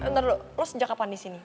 ntar dulu lo sejak kapan di sini